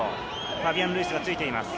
ファビアン・ルイスがついています。